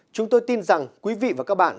chúng tôi tin rằng quý vị và các bạn